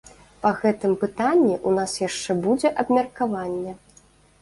Па гэтым пытанні ў нас яшчэ будзе абмеркаванне.